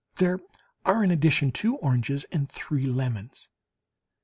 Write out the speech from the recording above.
There are in addition two oranges and three lemons.